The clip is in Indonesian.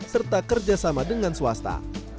serta kerjasama dengan swasta